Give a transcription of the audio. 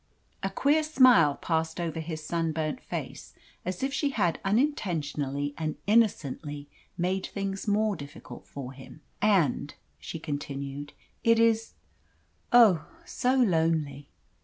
A queer smile passed over his sunburnt face, as if she had unintentionally and innocently made things more difficult for him. "And," she continued, "it is oh, so lonely."